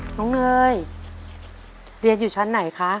น้องเนยเรียนอยู่ชั้นไหนคะ